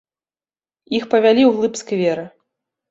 Іх павялі ўглыб сквера.